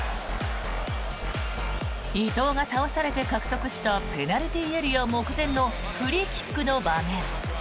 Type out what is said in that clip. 伊東が倒されて獲得したペナルティーエリア目前のフリーキックの場面。